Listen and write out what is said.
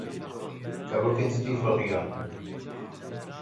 Kevokên sipî firîyan.